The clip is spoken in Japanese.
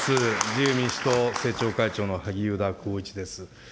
自由民主党、政調会長の萩生田光一です。